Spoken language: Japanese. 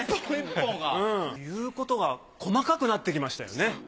ホント言うことが細かくなってきましたよね。